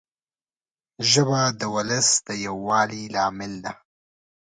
ژبه د ولس د یووالي لامل ده